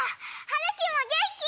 はるきもげんき！